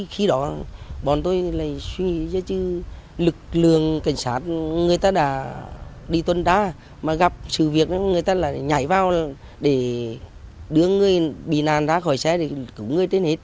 khi đó bọn tôi lại suy nghĩ cho chứ lực lượng cảnh sát người ta đã đi tuần tra mà gặp sự việc người ta lại nhảy vào để đưa người bị nạn ra khỏi xe để cứu người trên hết